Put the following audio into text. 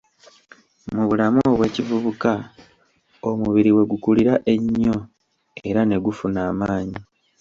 Mu bulamu obw'ekivubuka omubiri we gukulira ennyo era ne gufuna amaanyi.